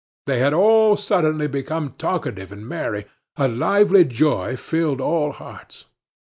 They had all suddenly become talkative and merry; a lively joy filled all hearts.